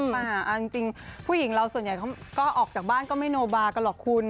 มาเอาจริงผู้หญิงเราส่วนใหญ่เขาก็ออกจากบ้านก็ไม่โนบากันหรอกคุณ